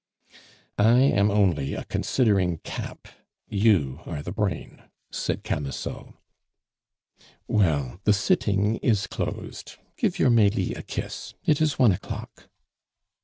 "I am only a considering cap; you are the brain," said Camusot. "Well, the sitting is closed; give your Melie a kiss; it is one o'clock."